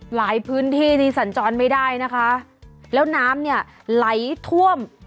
หลายพื้นที่นี่สัญจรไม่ได้นะคะแล้วน้ำเนี่ยไหลท่วม